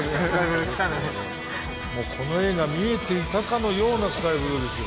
この絵が見えていたかのようなスカイブルーですよ。